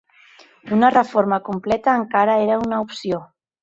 Una reforma completa encara era una opció.